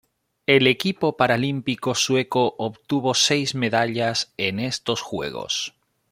El equipo paralímpico sueco obtuvo seis medallas en estos Juegos.